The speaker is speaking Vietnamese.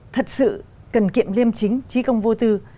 thật sự cần kiệm liêm chính trí công vô tư